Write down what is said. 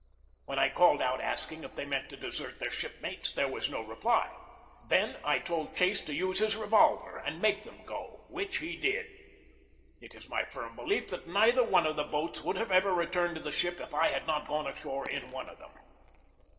When I called out asking if they meant to desert their shipmates there was no reply. Then I told Chase to use his revolver and make them go, which he did. It is my firm belief that neither one of the boats would have ever returned to the ship if I had not gone ashore in one of them.